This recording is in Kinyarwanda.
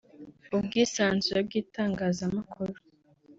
ubwisanzure bw’itangazamakuru